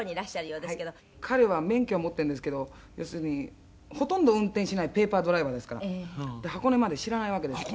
「彼は免許を持ってるんですけど要するにほとんど運転しないペーパードライバーですから」「箱根まで知らないわけですから」